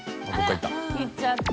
行っちゃった。